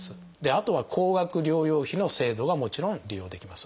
あとは高額療養費の制度がもちろん利用できます。